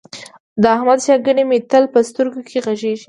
د احمد ښېګڼې مې تل په سترګو کې غړېږي.